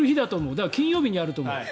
だから金曜日にやると思う。